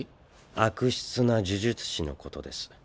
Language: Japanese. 悪質な呪術師のことです。